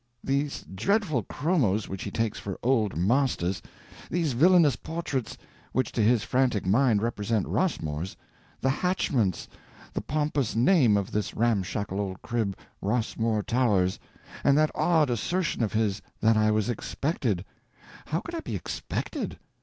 These dreadful chromos which he takes for old masters; these villainous portraits—which to his frantic mind represent Rossmores; the hatchments; the pompous name of this ramshackle old crib—Rossmore Towers; and that odd assertion of his, that I was expected. How could I be expected?